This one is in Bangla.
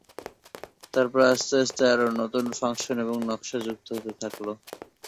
এরপর আস্তে আস্তে আরো নতুন ফাংশন এবং নকশায় যুক্ত হতে থাকল।